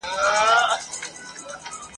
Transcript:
چي لا په غرونو کي ژوندی وي یو افغان وطنه..